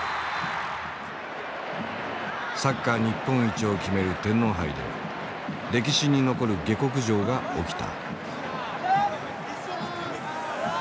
サッカー日本一を決める天皇杯で歴史に残る下克上が起きた。